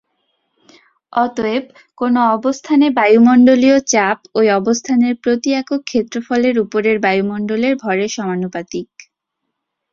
অতএব, কোন অবস্থানে বায়ুমণ্ডলীয় চাপ ওই অবস্থানের প্রতি একক ক্ষেত্রফলের উপরের বায়ুমণ্ডলের ভরের সমানুপাতিক।